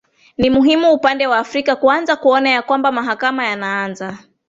ni mhimu upande wa afrika kuanza kuona ya kwamba mahakama yanaanza